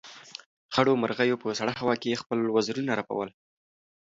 خړو مرغیو په سړه هوا کې خپل وزرونه رپول.